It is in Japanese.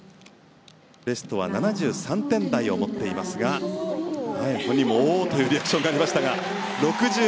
ベストは７３点台を持っていますが本人もおー！というリアクションがありましたが６８．８３。